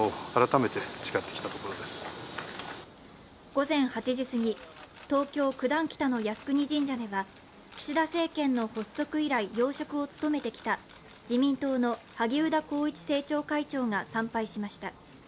午前８時すぎ、東京・九段北の靖国神社では岸田政権の発足以来、要職を務めてきた自民党の萩生田光一政調会長が参拝しました。